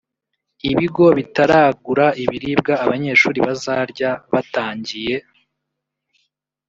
ibigo bitaragura ibiribwa abanyeshuri bazarya batangiye